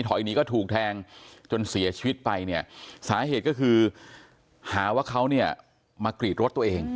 หนีก็ถูกแทงจนเสียชีวิตไปเนี่ยสาเหตุก็คือหาว่าเขาเนี่ยมากรีดรถตัวเอง